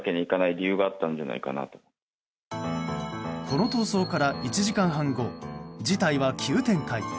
この逃走から１時間半後事態は急展開。